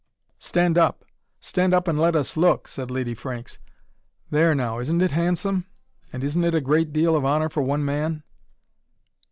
"Stand up! Stand up and let us look!" said Lady Franks. "There now, isn't it handsome? And isn't it a great deal of honour for one man?